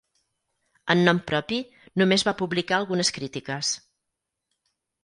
En nom propi, només va publicar algunes crítiques.